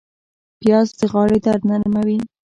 پیاز د غاړې درد نرموي